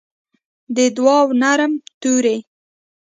د دوعا نرم توري